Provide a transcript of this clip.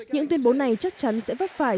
những tuyên bố này chắc chắn sẽ vấp phải